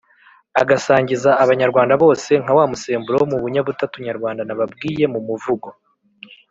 agasangiza abanyarwnda bose nka wa musemburo wo munyabutatu nyarwanda nababwiye mu muvugo.